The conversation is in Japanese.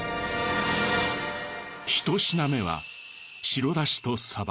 １品目は白だしとサバ